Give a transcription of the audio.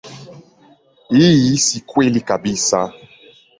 Hii si kweli kabisa.